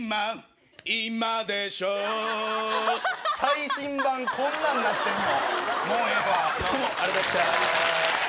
最新版、こんなんなってんの。